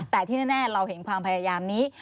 แต่ที่แน่เราเห็นความพยายามนี้